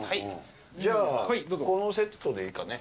じゃあこのセットでいいかね？